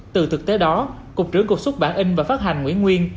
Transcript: từ thực tế đó cục trưởng cục xuất bản in và phát hành nguyễn nguyên